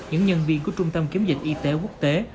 những nhân viên của trung tâm kiểm dịch y tế quốc tế